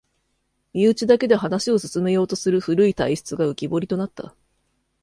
身内だけで話を進めようとする古い体質が浮きぼりとなった